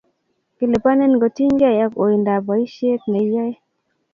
kiliponin kotinygei ak oindab boisie neiyoe